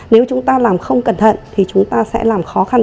nếu chúng ta làm không cẩn thận thì chúng ta sẽ làm khó khăn